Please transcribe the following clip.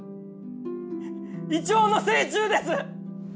イチョウの精虫です！